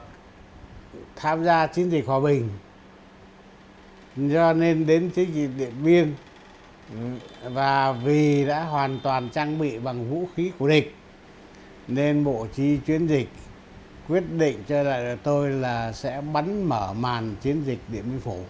chúng tôi tham gia chiến dịch hòa bình do nên đến chiến dịch điện biên và vì đã hoàn toàn trang bị bằng vũ khí của địch nên bộ trí chiến dịch quyết định cho lại tôi là sẽ bắn mở màn chiến dịch điện biên phủ